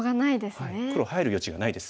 黒入る余地がないです。